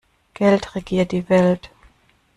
Geld regiert die Welt.